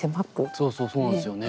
そうそうそうなんですよね。